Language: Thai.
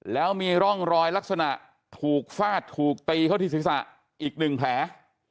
แล้วมีร่องรอยลักษณะถูกฟาดถูกตีเข้าที่ศีรษะอีกหนึ่งแผล